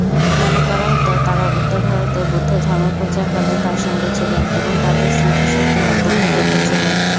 মনে করা হত, তাঁরা উত্তর ভারতে বুদ্ধের ধর্মপ্রচার কালে তাঁর সঙ্গী ছিলেন এবং তাঁদের স্মৃতিশক্তি অত্যন্ত প্রখর ছিল।